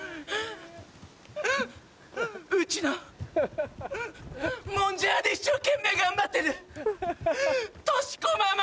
うちのもんじゃ屋で一生懸命頑張ってるトシコママ！